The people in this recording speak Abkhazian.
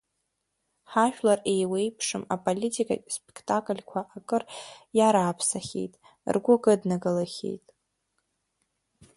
Ҳажәлар еиуеиԥшым аполитикатә спектакльқәа акыр иарааԥсахьеит, ргәы кыдгылахьеит!